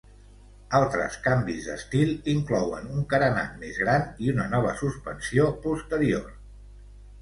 Altres canvis d'estil inclouen un carenat més gran i una nova suspensió posterior.